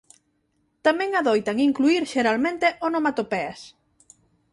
Tamén adoitan incluír xeralmente onomatopeas.